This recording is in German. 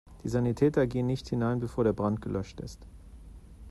Die Sanitäter gehen nicht hinein, bevor der Brand gelöscht ist.